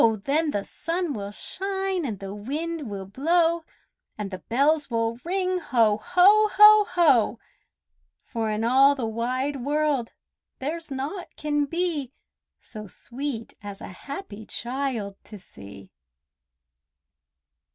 Then the sun will shine and the wind will blow, And the bells will ring, "Ho! ho! ho! ho!" For in all the wide world there's naught can be So sweet as a happy child to see!